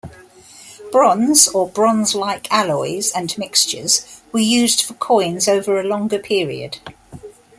Bronze, or bronze-like alloys and mixtures, were used for coins over a longer period.